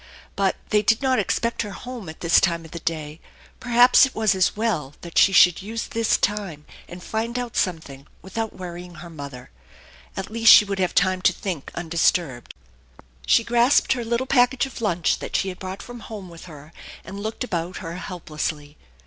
Eut they did not expect her home at this time of day. Perhaps it was as well that she should use this time and find out something without worry ing her mother. At least, she would have time to think undisturbed. She grasped her little package of lunch that she had brought from home with her and looked about her helplessly.